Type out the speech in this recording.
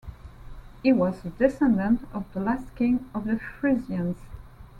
He was a descendant of the last King of the Frisians.